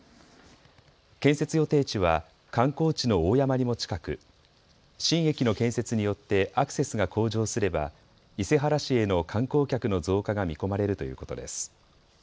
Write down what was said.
建設予定地は観光地の大山にも近く新駅の建設によってアクセスが向上すれば伊勢原市への観光客の増加が見込まれるということです。